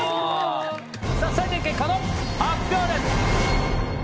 さぁ採点結果の発表です！